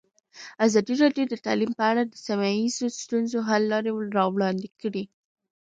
ازادي راډیو د تعلیم په اړه د سیمه ییزو ستونزو حل لارې راوړاندې کړې.